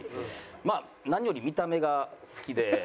まあ何より見た目が好きで。